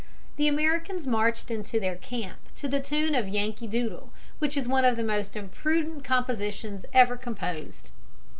The Americans marched into their camp to the tune of Yankee Doodle, which is one of the most impudent compositions ever composed.